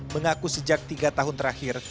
mengaku sejak tiga tahun terakhir